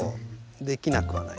できなくはない？